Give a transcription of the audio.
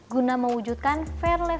guna mewujudkan fair language